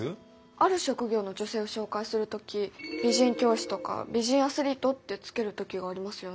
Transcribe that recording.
ある職業の女性を紹介する時「美人教師」とか「美人アスリート」って付ける時がありますよね。